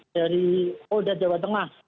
dari polda jawa tengah